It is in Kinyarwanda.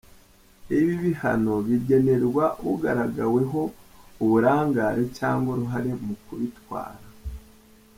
Ibi bihano bigenerwa ugaragaweho uburangare cyangwa uruhare mu kubitwara.